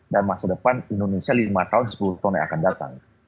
dan masa depan indonesia lima tahun sepuluh tahun yang akan datang